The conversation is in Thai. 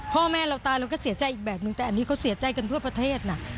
พ่อแม่เราตายเราก็เสียใจอีกแบบนึงแต่อันนี้เขาเสียใจกันทั่วประเทศนะ